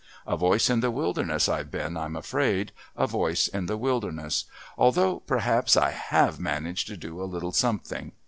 A voice in the wilderness I've been, I'm afraid a voice in the wilderness, although perhaps I have managed to do a little something.